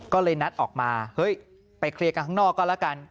ก็เลยนัดออกมาเฮ้ยไปเคลียร์กันข้างนอกก็แล้วกัน